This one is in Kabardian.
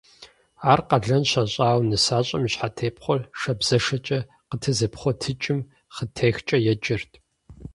Ар къалэн щащӀауэ нысащӏэм и щхьэтепхъуэр шабзэшэкӏэ къытезыпхъуэтыкӀым хъытехкӀэ еджэрт.